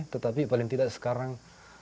tetapi paling tidak sekarang